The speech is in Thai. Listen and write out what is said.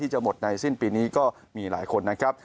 จะหมดในสิ้นปีนี้ก็มีหลายคนนะครับ